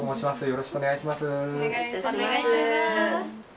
よろしくお願いします。